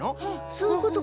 そういうことか。